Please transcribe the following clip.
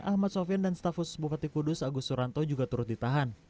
ahmad sofian dan stafus bupati kudus agus suranto juga turut ditahan